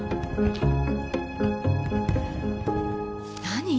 何！？